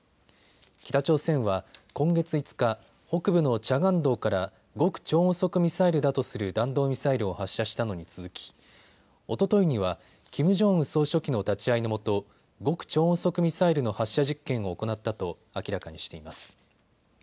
北朝鮮は今月５日、北部のチャガン道から極超音速ミサイルだとする弾道ミサイルを発射したのに続きおとといにはキム・ジョンウン総書記の立ち会いの下、極超音速ミサイルの発射実験を行ったと明らかにしています。